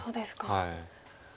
はい。